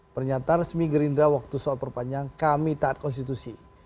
pernyataan resmi gerindra waktu soal perpanjangan kami taat konstitusi